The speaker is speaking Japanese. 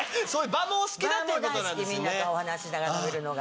場も大好きみんなとお話ししながら食べるのが。